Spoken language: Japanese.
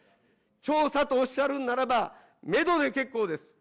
調査とおっしゃるんならば、メドで結構です。